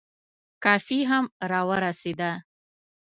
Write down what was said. کافي هم را ورسېده.